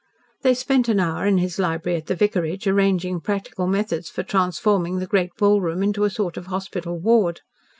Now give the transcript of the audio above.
They spent an hour in his library at the vicarage, arranging practical methods for transforming the great ballroom into a sort of hospital ward.